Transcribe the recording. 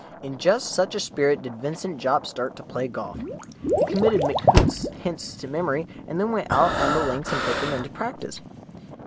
In just such a spirit did Vincent Jopp start to play golf. He committed McHoots's hints to memory, and then went out on the links and put them into practice.